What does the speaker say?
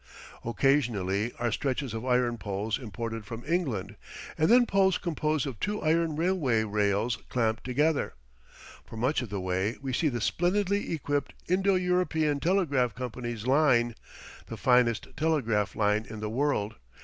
Occasionally are stretches of iron poles imported from England, and then poles composed of two iron railway rails clamped together. For much of the way we see the splendidly equipped Indo European Telegraph Company's line, the finest telegraph line in the world.